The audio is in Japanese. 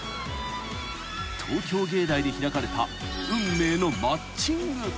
［東京藝大で開かれた運命のマッチング］